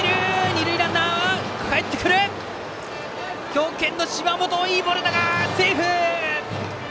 強肩の芝本、いいボールだがセーフ！